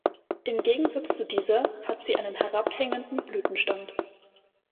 Im Gegensatz zu dieser hat sie einen herabhängenden Blütenstand.